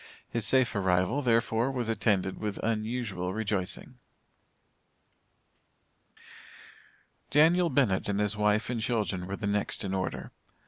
His safe arrival, therefore, was attended with unusual rejoicing. Daniel Bennett and his wife and children were the next in order.